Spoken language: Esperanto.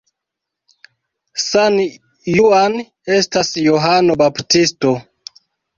San Juan estas Johano Baptisto.